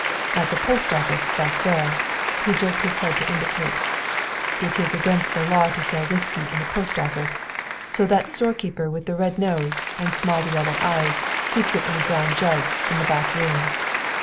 At the post office back there" he jerked his head to indicate "it is against the law to sell whisky in a post office, so that storekeeper with the red nose and small yellow eyes keeps it in a brown jug in the back room."